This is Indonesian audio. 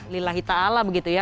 lillahi ta'ala begitu ya